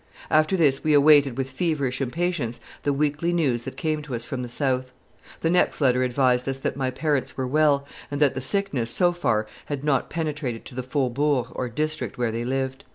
After this we awaited with feverish impatience the weekly news that came to us from the South. The next letter advised us that my parents were well, and that the sickness, so far, had not penetrated to the faubourg, or district, where they lived.